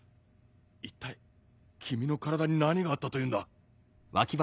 一体君の体に何があったというんだ。